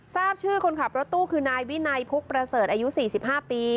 ทราบชื่อคนขับรถตู้คือนายวินัยพุกประเสริฐอายุ๔๕ปี